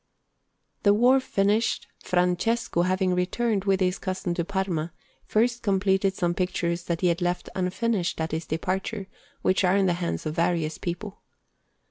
The war finished, Francesco, having returned with his cousin to Parma, first completed some pictures that he had left unfinished at his departure, which are in the hands of various people.